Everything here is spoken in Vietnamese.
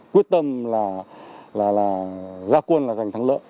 quyết tâm là ra quân là giành thắng lợi